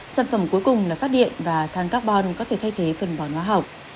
sản phẩm cuối cùng là phát điện và than carbon có thể thay thế phần bòn hóa học